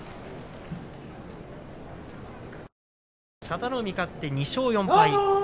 佐田の海勝って２勝４敗。